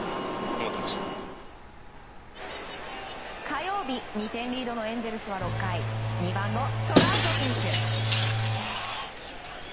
火曜日、２点リードのエンゼルスは６回２番のトラウト選手。